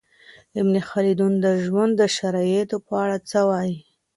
ابن خلدون د ژوند د شرایطو په اړه څه وايي؟